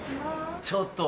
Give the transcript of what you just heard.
ちょっと！